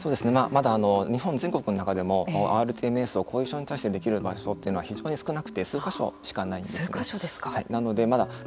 まだ日本全国の中でもｒＴＭＳを後遺症に対してできる場所というのは非常に少なくて数か所しかないんですよね。